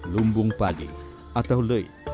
lumbung padi atau loi